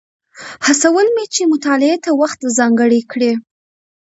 هڅول مې چې مطالعې ته وخت ځانګړی کړي.